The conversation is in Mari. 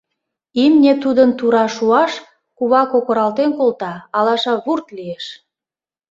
Имне тудын тура шуаш, кува кокыралтен колта, алаша вурт лиеш.